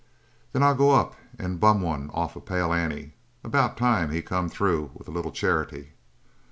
"Then I'll go up and bum one off'n Pale Annie. About time he come through with a little charity."